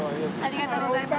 ありがとうございます。